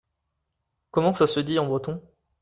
Comment ça se dit en breton ?